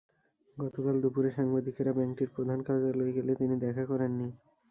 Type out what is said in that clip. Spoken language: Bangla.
গতকাল দুপুরে সাংবাদিকেরা ব্যাংকটির প্রধান কার্যালয়ে গেলে তিনি দেখা করেননি।